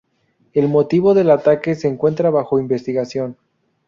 El motivo del ataque se encuentra bajo investigación.